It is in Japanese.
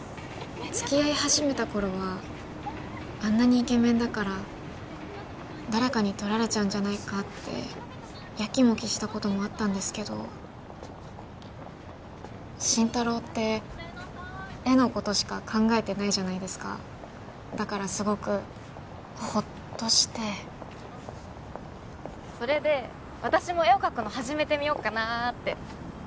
付き合い始めた頃はあんなにイケメンだから誰かに取られちゃうんじゃないかってやきもきしたこともあったんですけど真太郎って絵のことしか考えてないじゃないですかだからすごくホッとしてそれで私も絵を描くの始めてみよっかなって